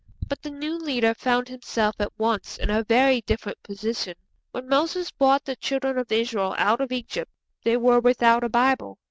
But the new leader found himself at once in a very different position. When Moses brought the Children of Israel out of Egypt they were without a Bible.